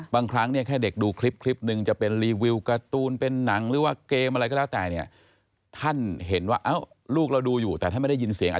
บางครั้งแค่เด็กดูคลิปหนึ่งจะเป็นรีวิวการ์ตูนเป็นหนังหรือว่าเกมอะไรก็แล้วแต่